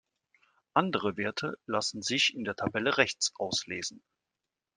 Andere Werte lassen sich in der Tabelle rechts auslesen.